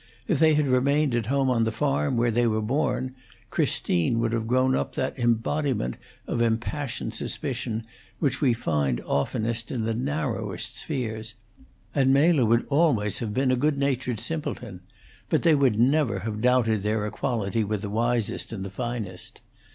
If they had remained at home on the farm where they were born, Christine would have grown up that embodiment of impassioned suspicion which we find oftenest in the narrowest spheres, and Mela would always have been a good natured simpleton; but they would never have doubted their equality with the wisest and the finest.